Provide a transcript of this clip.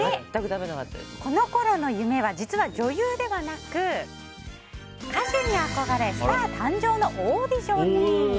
このころの夢は実は、女優ではなく歌手に憧れ「スター誕生！」のオーディションに。